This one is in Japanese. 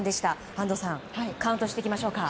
安藤さん、カウントしていきましょうか。